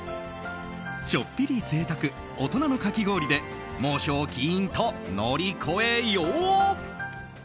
ちょっぴり贅沢大人のかき氷で猛暑をキーンと乗り越えよう！